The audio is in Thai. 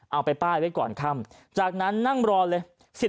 เอาไปป้ายไว้ก่อนค่ำจากนั้นนั่งรอเลย